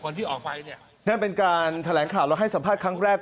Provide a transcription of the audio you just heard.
นั่นเป็นการแถลงข่าวและให้สัมภาษณ์ครั้งแรก